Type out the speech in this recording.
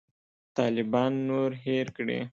طالبان نور هېر کړي.